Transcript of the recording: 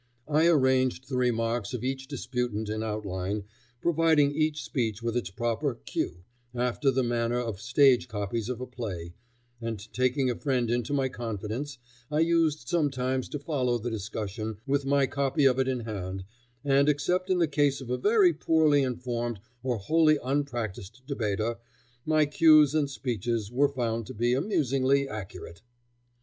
I arranged the remarks of each disputant in outline, providing each speech with its proper "cue," after the manner of stage copies of a play, and, taking a friend into my confidence, I used sometimes to follow the discussion, with my copy of it in hand, and, except in the case of a very poorly informed or wholly unpractised debater, my "cues" and speeches were found to be amusingly accurate.